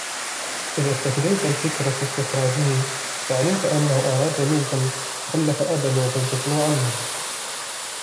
إذَا اسْتَكْدَيْتَ الْفِكْرَ فِي اسْتِخْرَاجِهِ فَعَلِمْت أَنَّهُ أَرَادَ مَيْتًا خَلَّفَ أَبًا وَزَوْجَةً وَعَمًّا